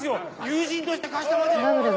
友人として貸したまでで。